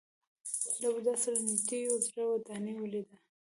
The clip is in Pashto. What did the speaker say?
له بودا سره نژدې یوه زړه ودانۍ ولیده.